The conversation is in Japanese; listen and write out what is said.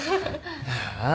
ああ。